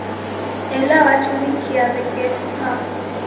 Ela w'adumiki w'eko aha?